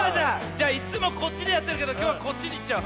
じゃいっつもこっちでやってるけどきょうはこっちにいっちゃう。